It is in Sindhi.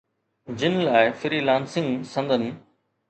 جن لاءِ فري لانسنگ سندن